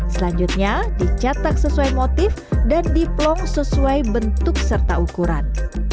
selanjutnya dicetak sesuai motif dan diplong sesuai bentuk serta ukuran